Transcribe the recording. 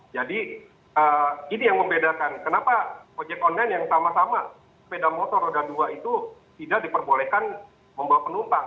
jadi ini yang membedakan kenapa ojek online yang sama sama sepeda motor roda dua itu tidak diperbolehkan membawa penumpang